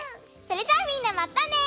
それじゃあみんなまたね！